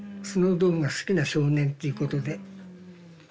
スノードームが好きな少年っていうことで。